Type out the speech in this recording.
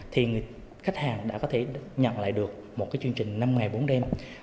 thì khách hàng đã có thể nhận lại được một cái chương trình năm ngày bốn đêm